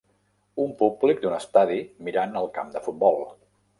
Un públic d'un estadi mirant el camp de futbol